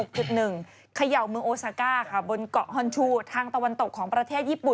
เขย่าเมืองโอซาก้าค่ะบนเกาะฮอนชูทางตะวันตกของประเทศญี่ปุ่น